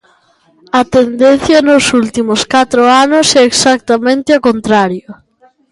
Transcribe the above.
A tendencia nos últimos catro anos é exactamente a contraria.